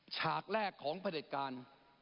ฉากแรกของพระเด็จการ